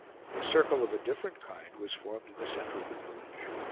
A circle of a different kind was formed in the center of the village.